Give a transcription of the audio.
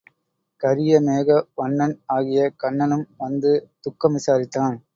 கரிய மேக வண்ணன் ஆகிய கண்ணனும் வந்து துக்கம் விசாரித்தான்.